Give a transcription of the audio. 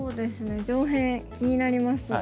上辺気になりますが。